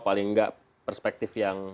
paling nggak perspektif yang